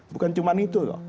bukan cuma itu